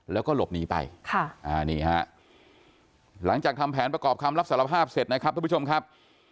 แล้วก็หลบหนีไปหลังจากทำแผนประกอบคำรับสารภาพเสร็จนะครับทุกผู้ชมครับ